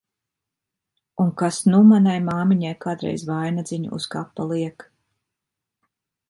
Un kas nu manai māmiņai kādreiz vainadziņu uz kapa liek!